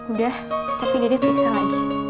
udah tapi dede periksa lagi